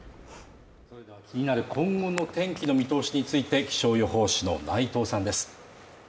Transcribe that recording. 気になる今後の天気の見通しについて気象予報士の内藤さんです